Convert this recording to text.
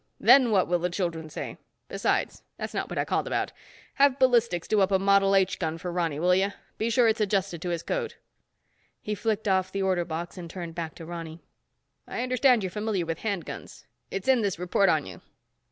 Then what will the children say? Besides, that's not what I called about. Have ballistics do up a model H gun for Ronny, will you? Be sure it's adjusted to his code." He flicked off the order box and turned back to Ronny. "I understand you're familiar with hand guns. It's in this report on you."